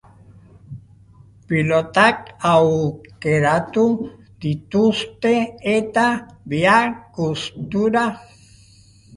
Pilotak aukeratu dituzte eta biak gustura.